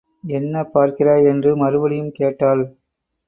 என்ன பார்க்கிறாய்? என்று மறுபடியும் கேட்டாள்.